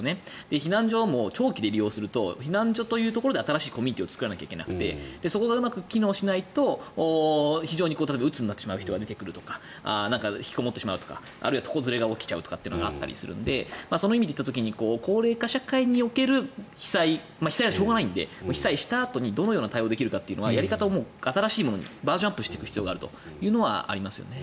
避難所も長期で利用すると避難所というところで新しいコミュニケーションを作らないと行けなくてそこがうまく機能しないと非常にうつになってしまう人が出てくるとかひきこもるとかあるいは床ずれが起きちゃうことがあったりするのでその意味で高齢化社会における被災被災はしょうがないので被災したあとにどう対応するかはやり方を新しいものにバージョンアップしていく必要があるとは思いますね。